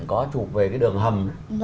có chụp về đường hầm